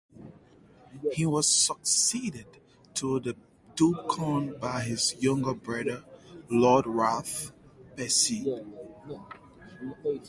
He was succeeded to the Dukedom by his younger brother Lord Ralph Percy.